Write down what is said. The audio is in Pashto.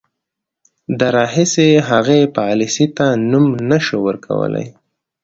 د راهیسې هغې پالیسۍ ته نوم نه شو ورکولای.